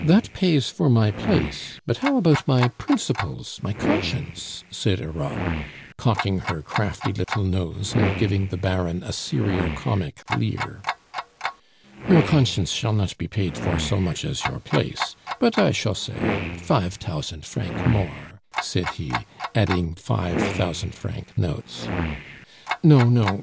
"That pays for my place, but how about my principles, my conscience?" said Europe, cocking her crafty little nose and giving the Baron a serio comic leer. "Your conscience shall not be pait for so much as your place; but I shall say fife tousand franc more," said he adding five thousand franc notes. "No, no.